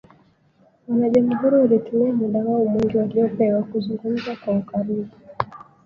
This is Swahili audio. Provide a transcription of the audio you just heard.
Wanajamuhuri walitumia muda wao mwingi waliopewa kuzungumza kwa ukaribu